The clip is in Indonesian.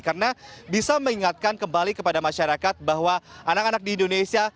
karena bisa mengingatkan kembali kepada masyarakat bahwa anak anak di indonesia